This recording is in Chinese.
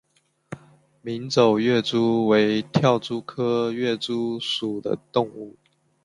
鸣走跃蛛为跳蛛科跃蛛属的动物。